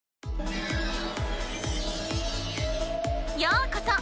ようこそ！